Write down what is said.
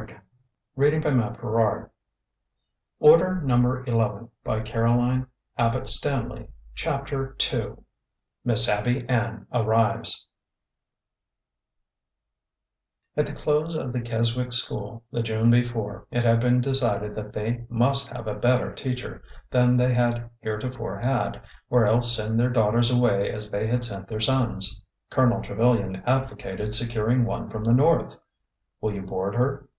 Are n't you* eating the fruit of my la bors now ?"" Oh!" It was Gordon, after all, then CHAPTER 11 MISS ABBY ANN ARRIVES the close of the Keswick school the June before, it had been decided that they must have a better teacher than they had heretofore had, or else send their daughters away as they had sent their sons. Colonel Trevilian advocated securing one from the North. Will you board her?